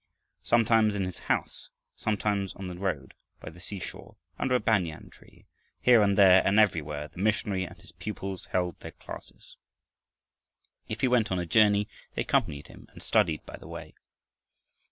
Sometimes in his house, sometimes on the road, by the seashore, under a banyan tree, here and there and everywhere, the missionary and his pupils held their classes. If he went on a journey, they accompanied him and studied by the way.